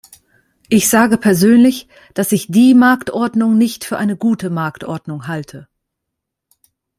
Ich sage persönlich, dass ich die Marktordnung nicht für eine gute Marktordnung halte.